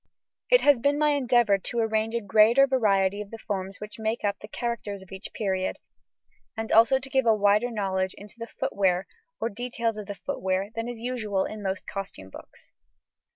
It has been my endeavour to arrange a greater variety of the forms which make up the characters of each period, and also to give a wider knowledge into the footwear, or details of the footwear, than is usual in most costume books.